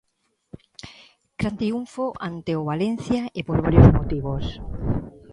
Gran triunfo ante o Valencia e por varios motivos.